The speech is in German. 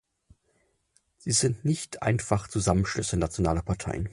Sie sind nicht einfach Zusammenschlüsse nationaler Parteien.